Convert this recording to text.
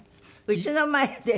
うちの前で。